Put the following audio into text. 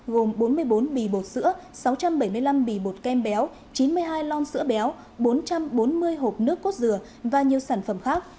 gồm bốn mươi bốn bì bột sữa sáu trăm bảy mươi năm bì bột kem béo chín mươi hai lon sữa béo bốn trăm bốn mươi hộp nước cốt dừa và nhiều sản phẩm khác